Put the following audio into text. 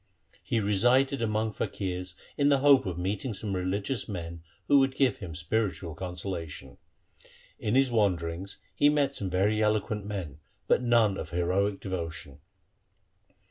He resided among faqirs in the hope of meeting some religious men who would give him spiritual consolation. In his wanderings he met some very eloquent men, but none of heroic devotion.